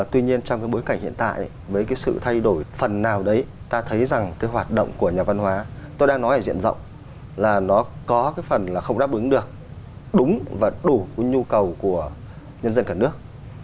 tuy nhiên trong bối cảnh hiện tại với sự thay đổi phần nào đấy ta thấy rằng hoạt động của nhà văn hóa tôi đang nói ở diện rộng là nó có phần không đáp ứng được đúng và đủ nhu cầu của nhân dân cả nước